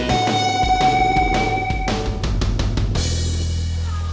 liat gue cabut ya